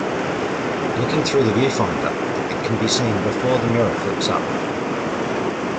Looking through the viewfinder, it can be seen before the mirror flips up.